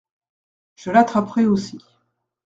Je l’attraperai aussi.